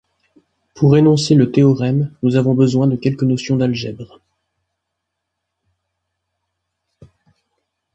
Pour énoncer le théorème, nous avons besoin de quelques notions d'algèbre.